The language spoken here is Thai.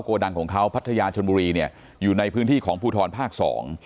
ดังของเขาพัทยาชนบุรีเนี่ยอยู่ในพื้นที่ของภูทรภาคสอง